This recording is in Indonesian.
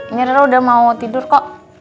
ini rela udah mau tidur kok